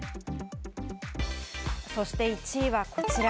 そして１位はこちら。